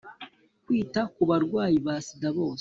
Kwita ku barwayi ba Sida bose